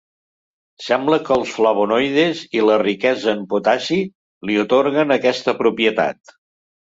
Sembla que els flavonoides, i la riquesa en potassi li atorguen aquesta propietat.